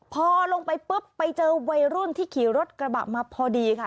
พอลงไปปุ๊บไปเจอวัยรุ่นที่ขี่รถกระบะมาพอดีค่ะ